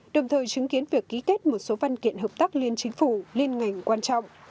đồng thời chứng kiến việc ký kết một số văn kiện hợp tác liên chính phủ liên ngành quan trọng